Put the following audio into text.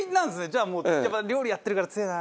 じゃあもうやっぱ料理やってるから強えな。